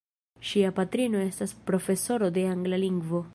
Ŝia patrino estas profesoro de angla lingvo.